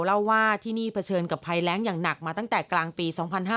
เล่าว่าที่นี่เผชิญกับภัยแรงอย่างหนักมาตั้งแต่กลางปี๒๕๕๙